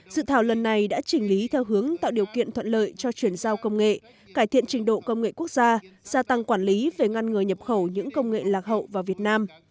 dự thảo lần này đã chỉnh lý theo hướng tạo điều kiện thuận lợi cho chuyển giao công nghệ cải thiện trình độ công nghệ quốc gia gia tăng quản lý về ngăn ngừa nhập khẩu những công nghệ lạc hậu vào việt nam